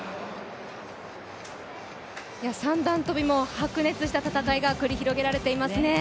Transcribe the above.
三段跳も白熱した戦いが続けられていますね。